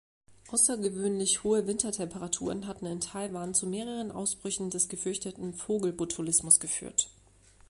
Außergewöhnlich hohe Wintertemperaturen hatten in Taiwan zu mehreren Ausbrüchen des gefürchteten Vogel-Botulismus geführt.